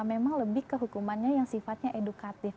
memang lebih ke hukumannya yang sifatnya edukatif